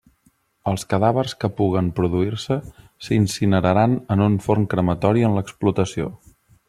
Els cadàvers que puguen produir-se s'incineraran en un forn crematori en l'explotació.